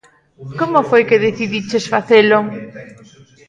Como foi que decidiches facelo?